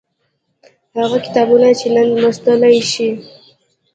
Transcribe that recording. هغه کتابونه چې نن لوستلای شئ